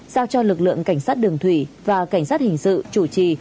giao cho lực lượng cảnh sát đường thủy và cảnh sát hình sự chủ trì